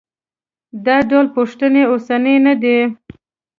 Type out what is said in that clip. دا ډول پوښتنې اوسنۍ نه دي.